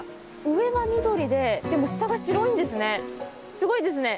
上が緑ででも下が白いんですね。